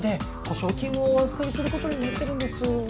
「保証金をお預かりすることになってるんです」